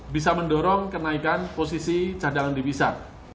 bisa mendorong kenaikan posisi cadangan di pisar